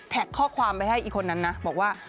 ข้อความไปให้อีกคนนั้นนะบอกว่า